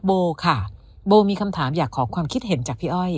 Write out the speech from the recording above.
โบค่ะโบมีคำถามอยากขอความคิดเห็นจากพี่อ้อย